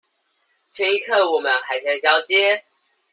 前一刻我們還在交接